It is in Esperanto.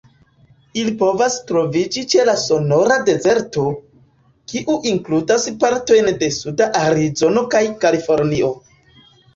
Ili povas troviĝi ĉe la Sonora-Dezerto, kiu inkludas partojn de suda Arizono kaj Kalifornio.